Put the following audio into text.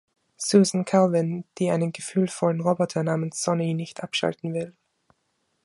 Susan Calvin“, die einen gefühlvollen Roboter namens „Sonny“ nicht abschalten will.